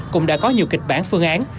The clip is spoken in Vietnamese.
cũng đã có nhiều kịch bản phương án